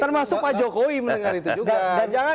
termasuk pak jokowi mendengar itu juga